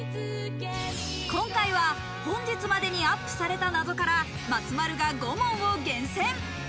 今回は本日までにアップされた謎から松丸が５問を厳選。